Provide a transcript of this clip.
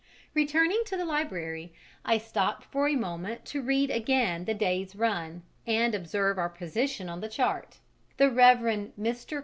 Returning to the library, I stopped for a moment to read again the day's run and observe our position on the chart; the Rev. Mr.